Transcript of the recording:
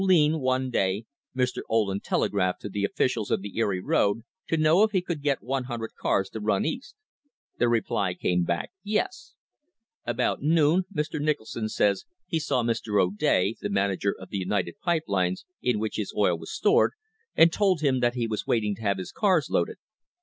220 ] THE CRISIS OF 1878 Olean, one day, Mr. Ohlen telegraphed to the officials of the Erie road to know if he could get 100 cars to run East. The reply came back Yes. About noon, Mr. Nicholson says, he saw Mr. O'Day, the manager of the United Pipe Lines, in which his oil was stored, and told him that he was waiting to have his cars loaded.